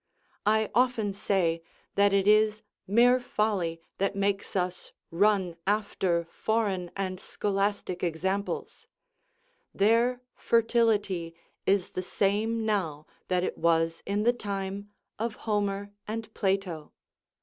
I often say, that it is mere folly that makes us run after foreign and scholastic examples; their fertility is the same now that it was in the time of Homer and Plato.